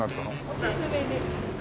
おすすめで。